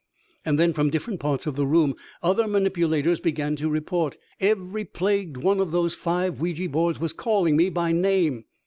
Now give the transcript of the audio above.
And then from different parts of the room other manipulators began to report. Every plagued one of those five Ouija boards was calling me by name!